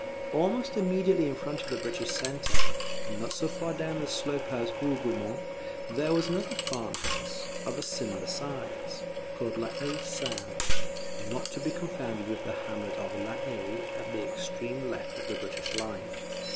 Almost immediately in front of the British centre, and not so far down the slope as Hougoumont, there was another farm house, of a smaller size, called La Haye Sainte, [Not to be confounded with the hamlet of La Haye at the extreme left of the British line.